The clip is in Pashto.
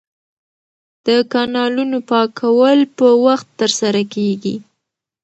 د کانالونو پاکول په وخت ترسره کیږي.